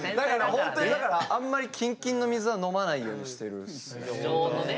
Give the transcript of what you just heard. ホントにだからあんまりキンキンの水は飲まないようにしてるっすね。